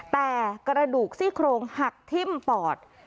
แต่กระดูกซี่โครงหักทิ้มปอด